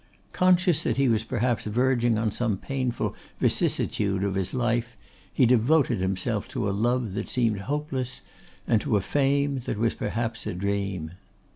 Conscious that he was perhaps verging on some painful vicissitude of his life, he devoted himself to a love that seemed hopeless, and to a fame that was perhaps a dream.